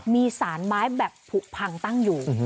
มีสารไม้แบบผูกพังตั้งอยู่